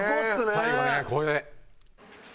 最後ねこれ。